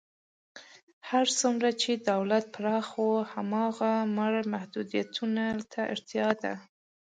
هر څومره چې دولت پراخ وي، هماغومره محدودیتونو ته اړتیا ده.